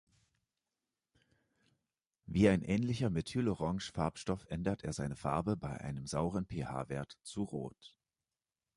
Wie ein ähnlicher Methylorange-Farbstoff ändert er seine Farbe bei einem sauren pH-Wert zu Rot.